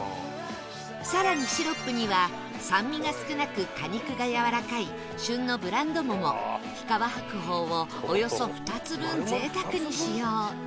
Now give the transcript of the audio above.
更にシロップには酸味が少なく果肉がやわらかい旬のブランド桃日川白鳳をおよそ２つ分贅沢に使用